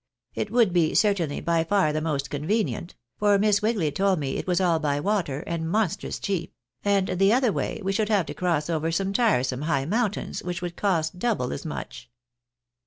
It would be, certainly, by far the most convenient; for Miss Wigly told me it was all by water, and monstrous cheap ; and the other way, we should have to cross over some tiresome high mountains which would cost double as much."